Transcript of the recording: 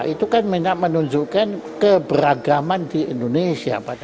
itu kan menunjukkan keberagaman di indonesia